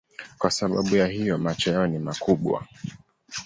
Kwa sababu ya hiyo macho yao ni makubwa.